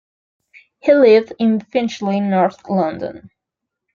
He lived in Finchley, north London.